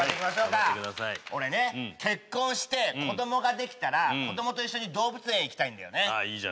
俺ね結婚して子供ができたら子供と一緒に動物園行きたいんだよね。